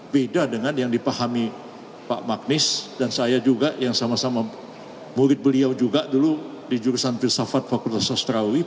beda dengan yang dipahami pak magnis dan saya juga yang sama sama mulut beliau juga dulu di jurusan filsafat fakultas sastrawi